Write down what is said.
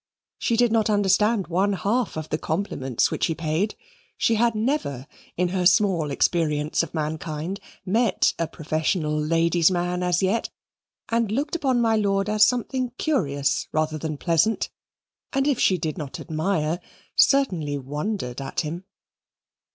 She did not understand one half the compliments which he paid; she had never, in her small experience of mankind, met a professional ladies' man as yet, and looked upon my lord as something curious rather than pleasant; and if she did not admire, certainly wondered at him.